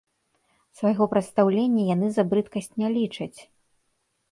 Свайго прадстаўлення яны за брыдкасць не лічаць.